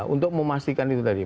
untuk memastikan itu tadi